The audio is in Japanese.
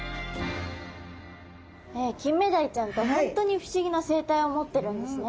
キンメダイちゃんって本当に不思議な生態を持ってるんですね。